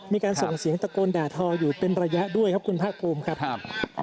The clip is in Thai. มีการส่งเสียงตะโกนด่าทออยู่เป็นระยะด้วยครับคุณภาคภูมิครับ